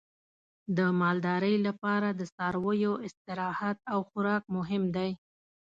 د مالدارۍ لپاره د څارویو استراحت او خوراک مهم دی.